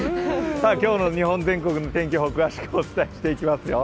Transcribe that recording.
今日の日本全国のお天気をお伝えしていきますよ。